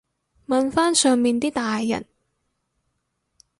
問返上面啲大人